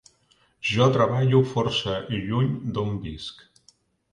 Jo treballo força lluny d'on visc.